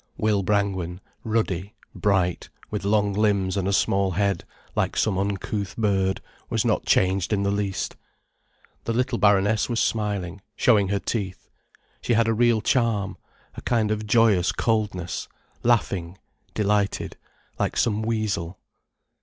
Will Brangwen, ruddy, bright, with long limbs and a small head, like some uncouth bird, was not changed in the least. The little Baroness was smiling, showing her teeth. She had a real charm, a kind of joyous coldness, laughing, delighted, like some weasel.